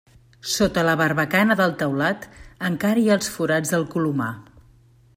Sota la barbacana del teulat encara hi ha els forats del colomar.